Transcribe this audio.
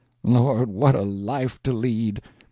Lord, what a life to lead!"